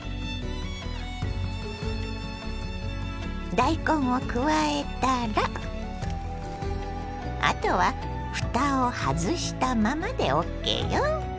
大根を加えたらあとはふたを外したままでＯＫよ。